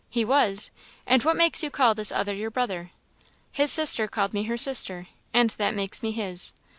"He was? And what makes you call this other your brother?" "His sister called me her sister and that makes me his."